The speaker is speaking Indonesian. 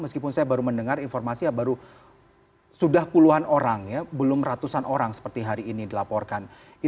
kemudian saya berusaha mendekati